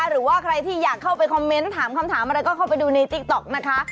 หรือว่าใครที่อยากเข้าไปคอมเมนต์ถามคำถามอะไรก็เข้าไปดูในติ๊กต๊อกนะคะ